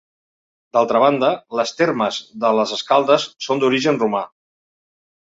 D'altra banda, les termes de les Escaldes són d'origen romà.